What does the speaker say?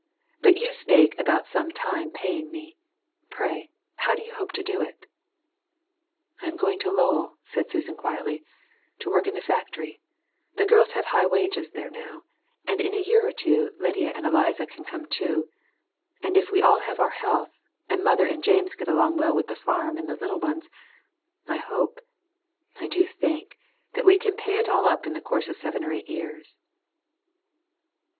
But you spake about some time paying me; pray, how do you hope to do it?" "I am going to Lowell," said Susan quietly, "to work in the factory, the girls have high wages there now, and in a year or two Lydia and Eliza can come too; and if we all have our health, and mother and James get along well with the farm and the little ones, I hope, I do think, that we can pay it all up in the course of seven or eight years."